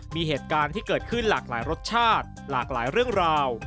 มีเหตุการณ์ที่เกิดขึ้นหลากหลายรสชาติหลากหลายเรื่องราว